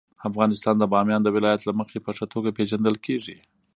افغانستان د بامیان د ولایت له مخې په ښه توګه پېژندل کېږي.